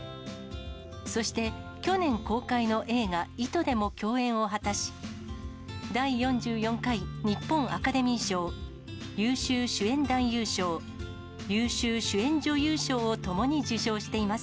そして去年公開の映画、糸でも共演を果たし、第４４回日本アカデミー賞優秀主演男優賞、優秀主演女優賞をともに受賞しています。